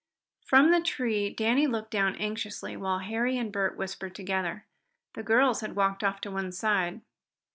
From the tree Danny looked down anxiously while Harry and Bert whispered together. The girls had walked off to one side.